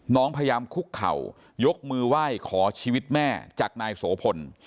น้องพยายามคุกเข่ายกมือไหว้ขอชีวิตแม่จากนายโสพล